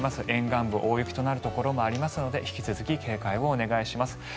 沿岸部、大雪となるところもありますので引き続き警戒をお願いします。